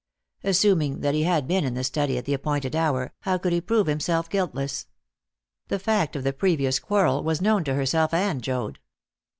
Assuming that he had been in the study at the appointed hour, how could he prove himself guiltless? The fact of the previous quarrel was known to herself and Joad.